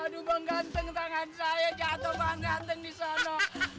aduh bang ganteng tangan saya jatuh bang ganteng di sana